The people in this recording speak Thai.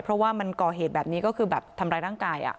เพราะว่ามันก่อเหตุแบบนี้ก็คือแบบทำร้ายร่างกาย